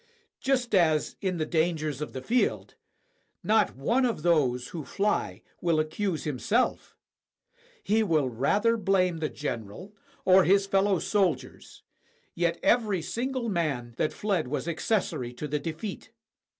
Just as, in the dangers of the field, not one of those who fly will accuse himself ; he will rather blame the general or his fellow soldiers; yet every single man that fled was accessory to the defeat.